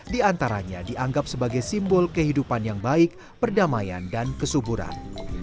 di antaranya dianggap sebagai simbol kehidupan yang baik perdamaian dan kesuburan